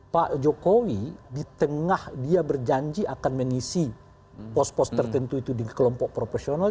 pak jokowi di tengah dia berjanji akan mengisi pos pos tertentu itu di kelompok profesional